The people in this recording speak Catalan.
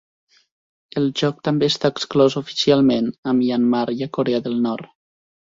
El joc també està exclòs oficialment a Myanmar i a Corea del Nord.